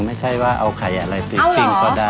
ไม่ใช่ว่าเอาไข่อะไรไปปิ้งก็ได้